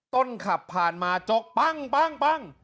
ต้นขับผ่านมาโจ๊กปั้งปั้งปั้ง